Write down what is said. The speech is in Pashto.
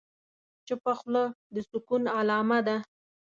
چپه خوله، د سکون علامه ده.